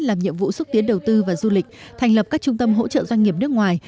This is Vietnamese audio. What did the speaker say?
làm nhiệm vụ xúc tiến đầu tư và du lịch thành lập các trung tâm hỗ trợ doanh nghiệp nước ngoài